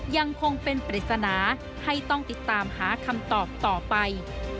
ยังคงเป็นปริศนาให้ต้องติดตามหาคำตอบต่อไป